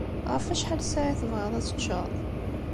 Ɣef wacḥal ssaɛa i tebɣiḍ ad teččeḍ?